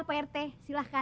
kalau begitu begini saja